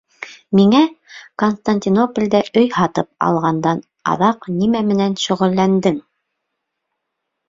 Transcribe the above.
Миңә Константинополдә өй һатып алғандан аҙаҡ нимә менән шөғөлләндең?